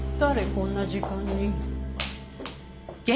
こんな時間に。